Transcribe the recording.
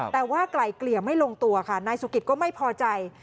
แต่ว่าไกลเกลี่ยไม่ลงตัวค่ะนายสุกิตก็ไม่พอใจ